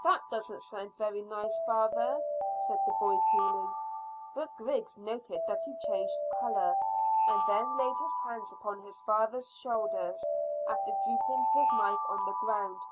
"That doesn't sound very nice, father," said the boy coolly; but Griggs noted that he changed colour, and then laid his hands upon his father's shoulders, after dropping his knife on the ground.